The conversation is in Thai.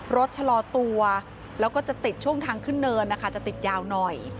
ชะลอตัวแล้วก็จะติดช่วงทางขึ้นเนินนะคะจะติดยาวหน่อย